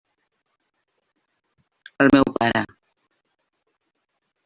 El meu pare.